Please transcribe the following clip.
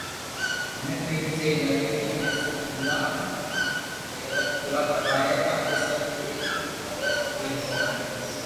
مني تو ايم سھي لاگي ڪي اج سب جملا پئرا ڪروا ھي تاڪي سب ري ڀآرو ھوئي ھگو